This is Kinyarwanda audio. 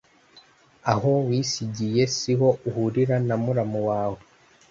Aho wisigiye siho uhurira na muramu wawe.